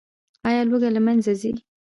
آیا لوږه له منځه ځي؟